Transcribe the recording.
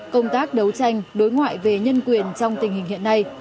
công tác đấu tranh đối ngoại về nhân quyền trong tình hình hiện nay